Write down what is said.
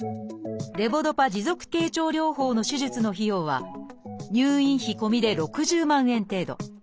レボドパ持続経腸療法の手術の費用は入院費込みで６０万円程度。